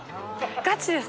ガチです。